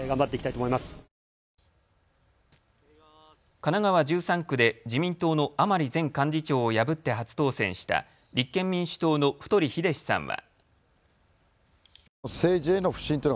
神奈川１３区で自民党の甘利前幹事長を破って初当選した立憲民主党の太栄志さんは。